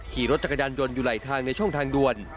ขี่รถจักรยานยนต์อยู่ไหลทางในช่องทางด่วน